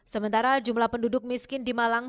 sementara jumlah penduduk miskin di malang